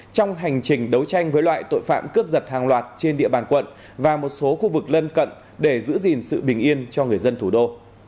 trong hành trình đấu tranh với loại tội phạm cướp giật hàng loạt trên địa bàn quận và một số khu vực lân cận để giữ gìn sự bình yên cho người dân thủ đô